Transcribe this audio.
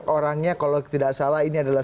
orangnya kalau tidak salah